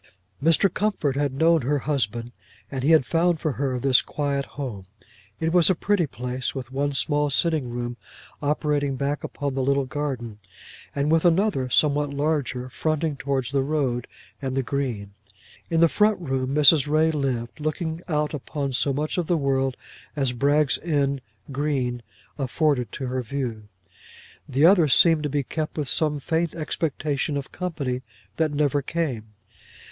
Mr. Comfort had known her husband, and he had found for her this quiet home. It was a pretty place, with one small sitting room opening back upon the little garden, and with another somewhat larger fronting towards the road and the green. In the front room Mrs. Ray lived, looking out upon so much of the world as Bragg's End green afforded to her view. The other seemed to be kept with some faint expectation of company that never came.